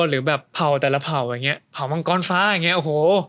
หรือแบบเผ่าแต่ละเผ่าอย่างเงี้เผามังกรฟ้าอย่างนี้โอ้โห